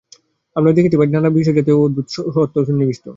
আমরা দেখিতে পাই নানা বিজাতীয় বিষয়ের মধ্যে এক অদ্ভুত তত্ত্ব সন্নিবিষ্ট।